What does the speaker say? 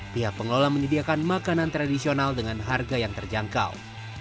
pihak pengelola menyediakan makanan tradisional dengan harga yang terjangkau